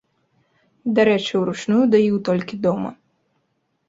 Дарэчы, уручную даіў толькі дома.